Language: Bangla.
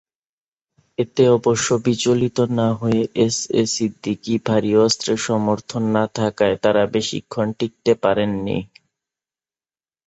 এতে অবশ্য বিচলিত না হয়ে এস এ সিদ্দিকী ভারী অস্ত্রের সমর্থন না থাকায় তারা বেশিক্ষণ টিকতে পারেননি।